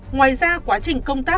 ngoài ra quá trình công tác